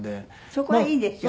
そこはいいですよね。